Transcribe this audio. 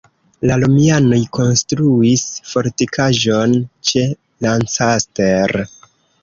La romianoj konstruis fortikaĵon ĉe Lancaster.